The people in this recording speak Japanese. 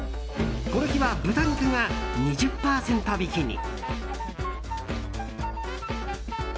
この日は豚肉が２０％引きに。